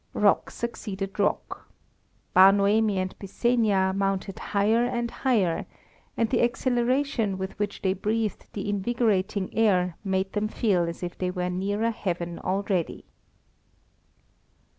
Rock succeeded rock. Bar Noemi and Byssenia mounted higher and higher, and the exhilaration with which they breathed the invigorating air made them feel as if they were nearer heaven already.